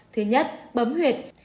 thứ nhất bấm huyệt